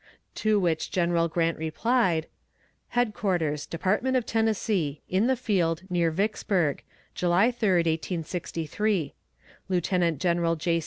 To which General Grant replied: HEADQUARTERS, DEPARTMENT OF TENNESSEE, In the Field, near Vicksburg, July 3d, 1863. Lieutenant General J.